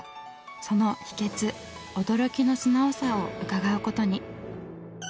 その秘訣「驚きの素直さ」を伺うことに。